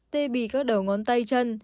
tê bì các đầu ngón tay chân